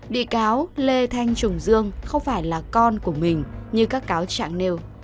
vị cáo lê thanh trùng dương không phải là con của mình như các cáo chạng nêu